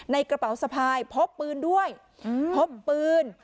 กระเป๋าสะพายพบปืนด้วยพบปืน